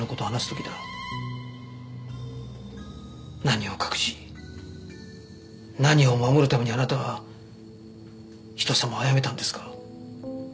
何を隠し何を守るためにあなたは人様をあやめたんですか？